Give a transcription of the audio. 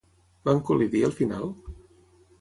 Van col·lidir al final?